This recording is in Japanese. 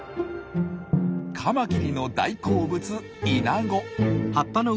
カマキリの大好物イナゴ。